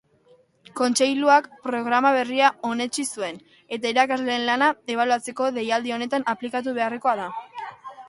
Kontseiluak programa berria onetsi zuen, eta irakasleen lana ebaluatzeko deialdi honetan aplikatu beharrekoa da.